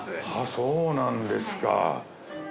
そうなんですか。